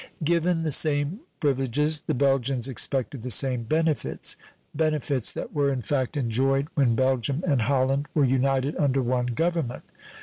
Given the same privileges the Belgians expected the same benefits benefits that were, in fact, enjoyed when Belgium and Holland were united under one Government.